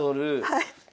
はい。